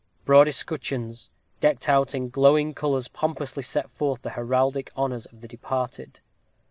Broad escutcheons, decked out in glowing colors pompously set forth the heraldic honors of the departed.